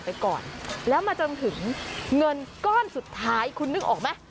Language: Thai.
ไปก่อนแล้วมาจนถึงเงินก้อนสุดท้ายคุณนึกออกไหม